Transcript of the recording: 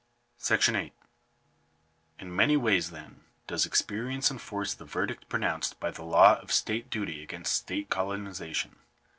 §8. In many ways, then, does experience enforce the verdict pronounced by the law of state*duty against state colonization.